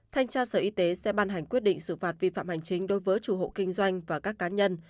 thanh tra sở y tế sẽ ban hành quyết định xử phạt vi phạm hành chính đối với chủ hộ kinh doanh và các cá nhân